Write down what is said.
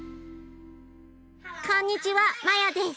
こんにちはマヤです。